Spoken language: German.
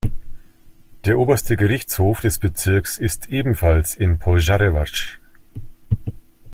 Der oberste Gerichtshof des Bezirks ist ebenfalls in Požarevac.